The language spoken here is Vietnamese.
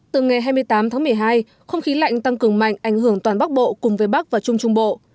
từ ngày hai mươi tám tháng một mươi hai không khí lạnh tăng cường mạnh ảnh hưởng toàn bắc bộ cùng với bắc và trung trung bộ